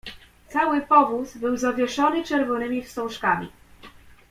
"Cały powóz był zawieszony czerwonymi wstążkami."